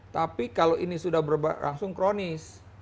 tapi kalau ini sudah berubah langsung kronis